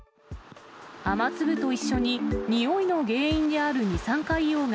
雨粒と一緒に臭いの原因である二酸化硫黄が、